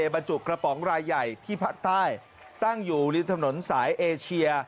บรรจุกระป๋องรายใหญ่ที่ภาคใต้ตั้งอยู่ริมถนนสายเอเชีย